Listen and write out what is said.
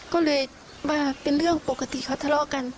ก็เลยว่าเป็นเรื่องปกติเขาทะเลาะกัน